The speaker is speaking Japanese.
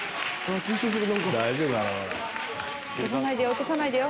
落とさないでよ。